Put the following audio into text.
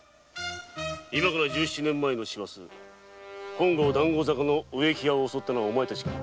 今から十七年前の師走本郷の植木屋を襲ったのはお前たちか？